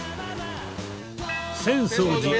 浅草寺。